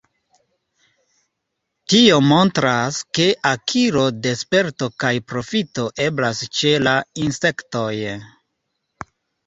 Tio montras, ke akiro de sperto kaj profito eblas ĉe la insektoj.